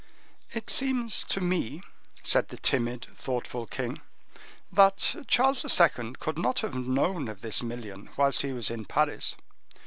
"It seems to me," said the timid, thoughtful king, "that Charles II. could not have known of this million whilst he was in Paris."